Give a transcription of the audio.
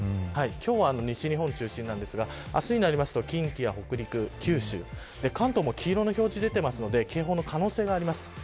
今日は、西日本が中心ですがあすになりますと、近畿、北陸九州、関東も黄色の表示出ていますので警報の可能性があります。